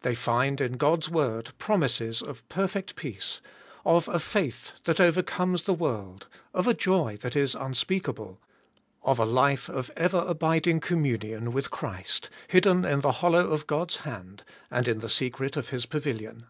They find in God's word promises of perfect peace, of a faith that overcomes the world, of a joy that is un speakable, of a life of ever abiding* communion with Christ, hidden in the hollow of God's hand, and in the secret of his pavilion.